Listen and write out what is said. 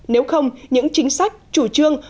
nếu không những chính sách chủ trương